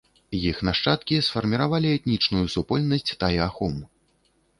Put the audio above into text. Іх нашчадкі сфарміравалі этнічную супольнасць тай-ахом.